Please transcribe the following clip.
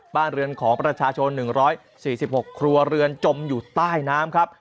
บ้านเรือนของประชาชน๑๔๖ครัวเรือนจมอยู่ใต้น้ำครับ